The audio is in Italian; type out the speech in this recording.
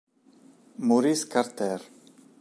Maurice Carter